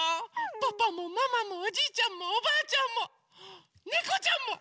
パパもママもおじいちゃんもおばあちゃんもねこちゃんも！